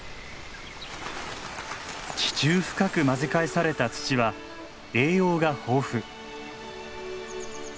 地中深く混ぜ返された土は栄養が豊富。